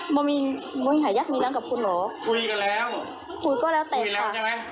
มันมีมันมีหายากมีรักกับคุณเหรอคุยกันแล้วคุยก็แล้วแตกค่ะ